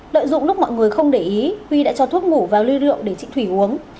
đợi dụng lúc mọi người không để ý huy đã cho thuốc ngủ vào lưu rượu để chị thủy uống